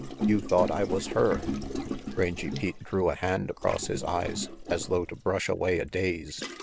You thought I was her Rangy Pete drew a hand across his eyes, as though to brush away a daze.